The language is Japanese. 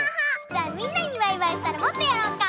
じゃあみんなにバイバイしたらもっとやろうか。